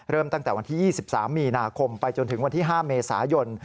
ตั้งแต่วันที่๒๓มีนาคมไปจนถึงวันที่๕เมษายน